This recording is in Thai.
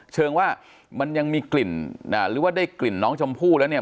เชิงว่ามันยังมีกลิ่นหรือว่าได้กลิ่นน้องชมพู่แล้วเนี่ย